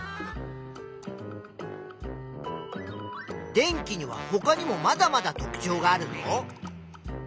電気にはほかにもまだまだ特ちょうがあるぞ？